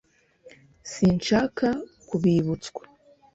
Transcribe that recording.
Sinshaka kubibutswa.